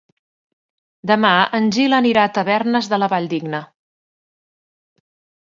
Demà en Gil anirà a Tavernes de la Valldigna.